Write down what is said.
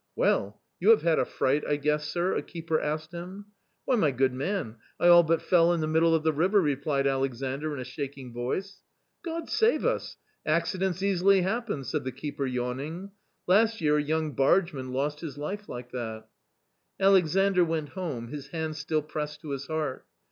" Well, you have had a fright, I guess, sir ?" a keeper asked him. i( Why, my good man, I all but fell in the middle of the river !" replied Alexandr in a shaking voice. " God save us ! accidents easily happen ?" said the keeper yawning; "last year a young bargeman lost his life like that." Alexandr went home, his hand still pressed to his heart.